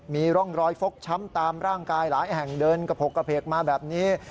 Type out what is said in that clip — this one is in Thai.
มีร่องรอยฟกช้ำตามร่างกายหลายแห่งเดินกระโพกกระเพกมาแบบนี้